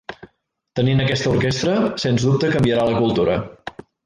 Tenint aquesta orquestra sens dubte canviarà la cultura.